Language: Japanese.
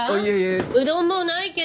うどんもうないけど。